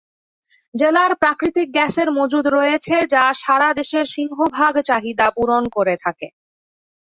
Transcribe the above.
জেলার প্রাকৃতিক গ্যাসের মজুদ রয়েছে যা সারা দেশের সিংহভাগ চাহিদা পূরণ করে থাকে।